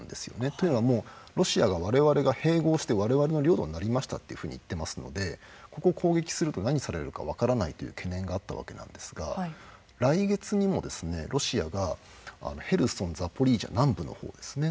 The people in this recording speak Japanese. というのはロシアが我々が併合して我々の領土になりましたというふうに言っていますのでここ、攻撃すると何をされるか分からないという懸念があったわけですが来月にも、ロシアがヘルソン、ザポリージャ南部の方ですね。